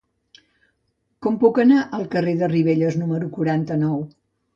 Com puc anar al carrer de Ribelles número quaranta-nou?